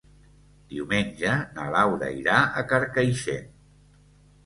Diumenge na Laura irà a Carcaixent.